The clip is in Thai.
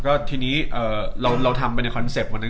ก็ทีนี้เราทำไปในคอนเซ็ตวันหนึ่ง